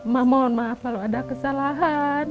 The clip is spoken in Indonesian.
mah mohon maaf kalau ada kesalahan